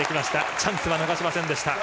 チャンスは逃しませんでした。